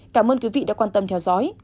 cảm ơn quý vị đã quan tâm theo dõi